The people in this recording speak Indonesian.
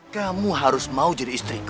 kamu harus mau jadi istriku